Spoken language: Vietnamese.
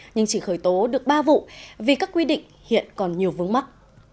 nhưng chỉ khởi tố được ba vụ vì các quy định hiện còn nhiều vướng mắt